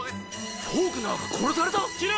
・フォークナーが殺された⁉・・避難しろ！